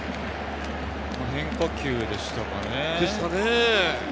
変化球でしたかね。